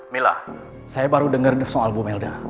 mila saya baru dengar nefso album melda